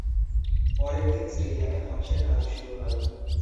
পরের দিন স্টেডিয়ামে ধ্বংসের কাজ শুরু হয়।